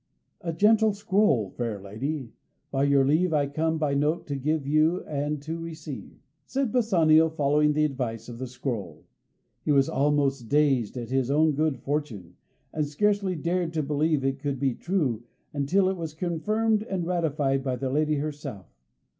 "A gentle scroll. Fair lady, by your leave I come by note to give and to receive," said Bassanio, following the advice of the scroll. He was almost dazed at his own good fortune, and scarcely dared to believe it could be true until it was confirmed and ratified by the lady herself.